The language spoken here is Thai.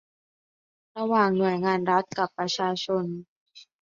ระหว่างหน่วยงานรัฐกับประชาชน